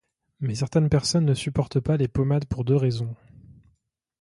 Mais certaines personnes ne supportent pas les pommades pour deux raisons.